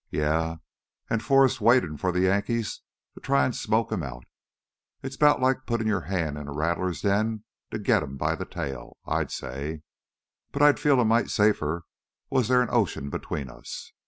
"Yeah, an' Forrest's waitin' for the Yankees to try an' smoke him out. It's 'bout like puttin' your hand in a rattler's den to git him by the tail, I'd say. But I'd feel a mite safer was theah an ocean between us.